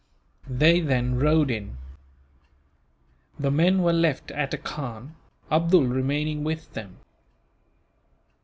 They then rode in. The men were left at a khan, Abdool remaining with them.